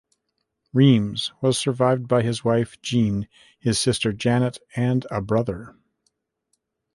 Reems was survived by his wife, Jeanne, his sister Janet, and a brother.